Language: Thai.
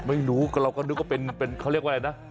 ไม่รู้เราก็นึกว่าเป็นเขาเรียกว่าอะไรนะ